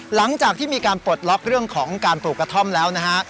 หลังจากที่มีการปลดล็อกเรื่องของการปลูกกระท่อมแล้วนะฮะ